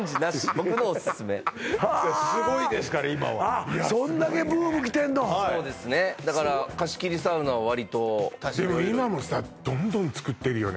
僕のオススメはあすごいですから今はあっそんだけブーム来てんのそうですねだから貸切サウナはわりとでも今もさどんどんつくってるよね